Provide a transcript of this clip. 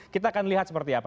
kita akan lihat seperti apa